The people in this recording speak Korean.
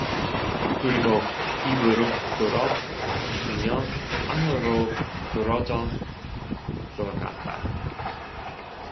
그리고 이불을 끌어 덮으며 안으로 미끄러져 들어갔다.